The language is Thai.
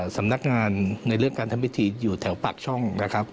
สำนักงานในเรื่องการทำพิธีอยู่แถวปากช่องนะครับ